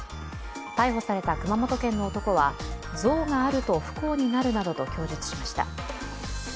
逮捕された熊本県の男は像があると不幸になるなどと供述しました。